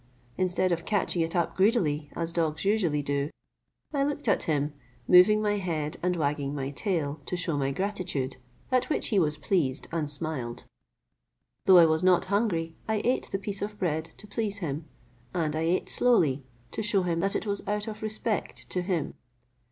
Instead of catching it up greedily, as dogs usually do, I looked at him, moving my head and wagging my tail, to shew my gratitude; at which he was pleased, and smiled. Though I was not hungry, I ate the piece of bread to please him, and I ate slowly to shew him that it was out of respect to him.